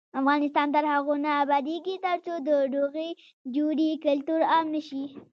افغانستان تر هغو نه ابادیږي، ترڅو د روغې جوړې کلتور عام نشي.